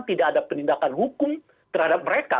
tidak ada penindakan hukum terhadap mereka